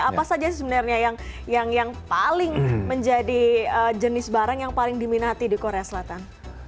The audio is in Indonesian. apa saja sebenarnya yang paling menjadi jenis barang yang paling diminati di korea selatan